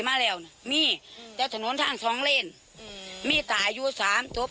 มาแล้วนะมีแต่ถนนทางสองเลนอืมมีตายอยู่สามจบ